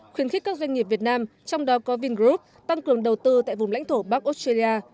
khuyến khích các doanh nghiệp việt nam trong đó có vingroup tăng cường đầu tư tại vùng lãnh thổ bắc australia